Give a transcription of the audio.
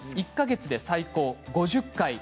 １か月最高で５０回！